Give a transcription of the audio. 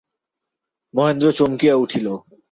মহেন্দ্র চমকিয়া উঠিল।